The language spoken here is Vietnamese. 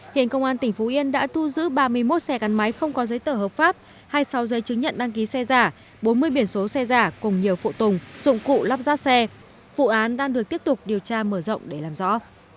hiện công an tỉnh phú yên đã thu giữ ba mươi một xe gắn máy không có giấy tờ hợp pháp hai mươi sáu giấy chứng nhận đăng ký xe giả bốn mươi biển số xe giả cùng nhiều phụ tùng dụng cụ lắp ráp xe vụ án đang được tiếp tục điều tra mở rộng để làm rõ